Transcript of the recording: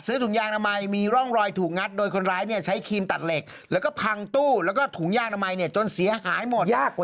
เออลืมไปคุณหนุ่มกัญชัยบอกว่าเขาไม่อยู่